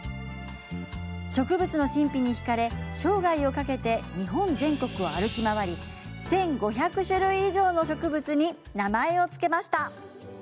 植物の神秘に引かれ生涯をかけて日本全国を歩き回り１５００種類以上の植物に名前を付けました。